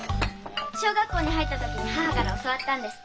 小学校に入った時母から教わったんです。